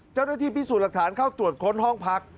เจ้าหน้าที่พิสูจน์หลักฐานเข้าตรวจค้นห้องพัก